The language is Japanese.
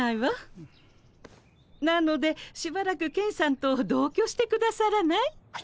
なのでしばらくケンさんと同居してくださらない？